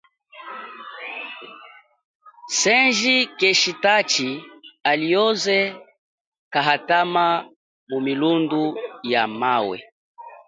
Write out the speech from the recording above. Seji keeshi tachi alioze kaathama mu milundu ya mawe.